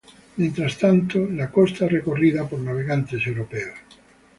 Mientras tanto, la costa es recorrida por navegantes europeos.